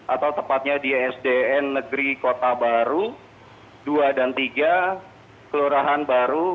atau tepatnya di sdn negeri kota baru dua dan tiga kelurahan baru